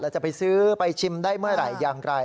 จะไปซื้อไปชิมได้เมื่อไหร่อย่างไร